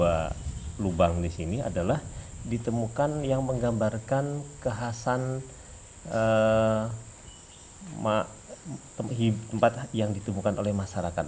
dan yang menarik di sini adalah di satu buah lubang di sini adalah ditemukan yang menggambarkan kehasan tempat yang ditemukan oleh masyarakat